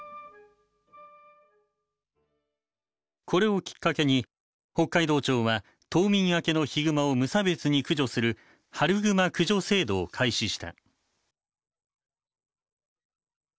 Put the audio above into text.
これをきっかけに北海道庁は冬眠明けのヒグマを無差別に駆除する春グマ駆除制度を開始した。